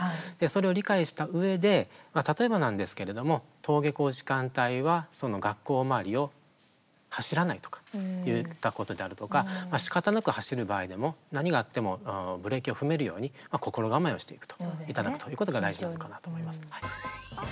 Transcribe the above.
それを理解したうえで例えば登下校時間帯は学校周りを走らないであるとかしかたなく走る場合でも何があってもブレーキを踏めるように心構えをしていただくということが大事なのかなと思います。